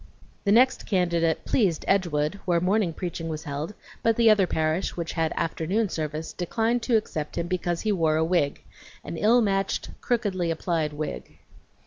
The next candidate pleased Edgewood, where morning preaching was held, but the other parish, which had afternoon service, declined to accept him because he wore a wig an ill matched, crookedly applied wig.